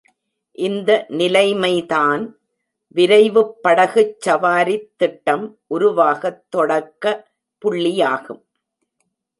இந்த நிலைமைதான் விரைவுப் படகுச் சவாரித் திட்டம் உருவாகத் தொடக்க புள்ளியாகும்.